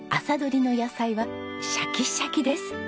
朝取りの野菜はシャキシャキです。